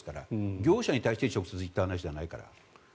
業者に対して直接言った話じゃないから。